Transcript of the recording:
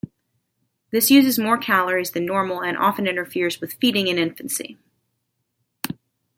This uses more calories than normal and often interferes with feeding in infancy.